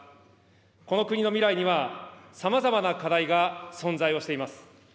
この国の未来にはさまざまな課題が存在をしています。